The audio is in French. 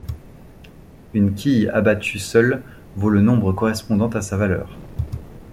Une quille abattue seule vaut le nombre correspondant à sa valeur.